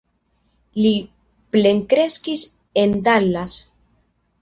Li plenkreskis en Dallas.